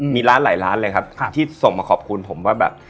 มีร้านหลายร้านเลยครับที่ส่งมาขอบคุณผมว่าแบบ